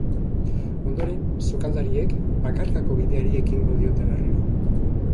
Ondoren, sukaldariek bakarkako bideari ekingo diote berriro.